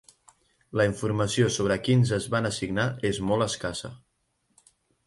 La informació sobre quins es van assignar és molt escassa.